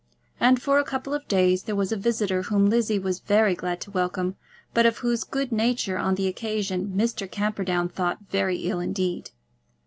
And for a couple of days there was a visitor whom Lizzie was very glad to welcome, but of whose good nature on the occasion Mr. Camperdown thought very ill indeed.